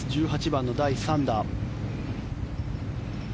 １８番の第３打。